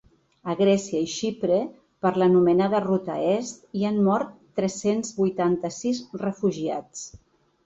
A Grècia i Xipre, per l’anomenada ruta est, hi han mort tres-cents vuitanta-sis refugiats.